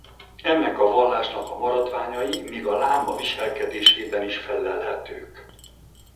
Ennek a vallásnak a maradványai még a láma viselkedésében is fellelhetők.